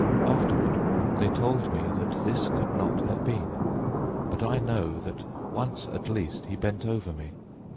Afterward they told me that this could not have been, but I know that once at least he bent over me.